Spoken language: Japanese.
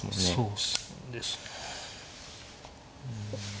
そうですね。